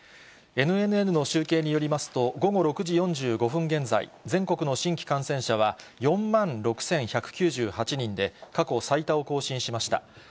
ＮＮＮの集計によりますと、午後６時４５分現在、全国の新規感染者は４万６１９８人で、過去最多を更新しました。